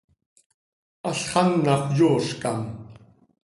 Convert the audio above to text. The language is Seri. Halx anàxö yoozcam.